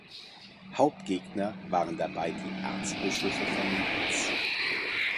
Hauptgegner waren dabei die Erzbischöfe von Mainz.